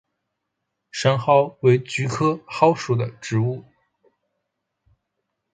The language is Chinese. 山蒿为菊科蒿属的植物。